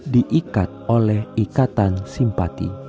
diikat oleh ikatan simpati